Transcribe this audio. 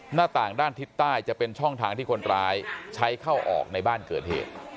หน้าต่างด้านทิศใต้จะเป็นช่องทางที่คนร้ายใช้เข้าออกในบ้านเกิดเหตุ